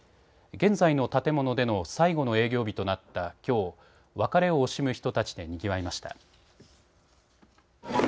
現在の建物での最後の営業日となったきょう別れを惜しむ人たちでにぎわいました。